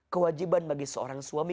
kewajiban bagi seorang suami